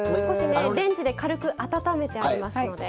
レンジで軽く温めてありますので。